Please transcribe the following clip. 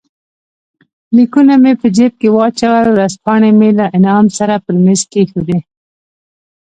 لیکونه مې په جېب کې واچول، ورځپاڼې مې له انعام سره پر مېز کښېښودې.